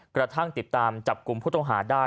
กระทั่งติดตามจับกลุ่มผู้ต้องหาได้